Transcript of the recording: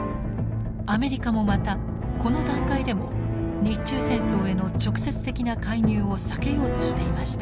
アメリカもまたこの段階でも日中戦争への直接的な介入を避けようとしていました。